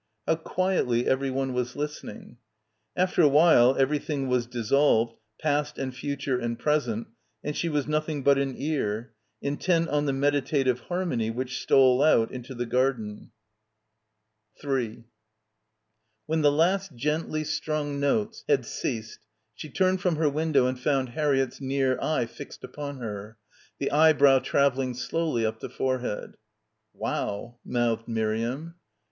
How quietly everyone was listen ing. ... After a while, everything was dissolved, past and future and present, and she was nothing but an ear, intent on the meditative harmony which stole out into the garden. 3 When the last gently strung notes had ceased she turned from her window and found Harriett's near eye fixed upon her, the eyebrow travelling slowly up the forehead. 38 BACKWATER "Wow," mouthed Miriam.